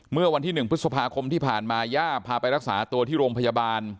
เมื่อวันที่๑พฤษภาคมที่ผ่านมาย่าพาไปรักษาตัวที่โรงพยาบาล